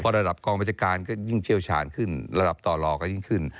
ระดับกองบัญชาการก็ยิ่งเชี่ยวชาญขึ้นระดับต่อหล่อก็ยิ่งขึ้น